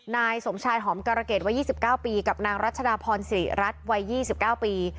นายสมชายหอมการเกษวัย๒๙ปีกับนางรัชดาพรสิริรัตน์วัย๒๙ปี